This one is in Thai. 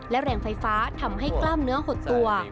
และแรงไฟฟ้าทำให้กล้ามเนื้อหดตัว